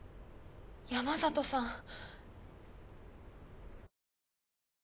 山里さん。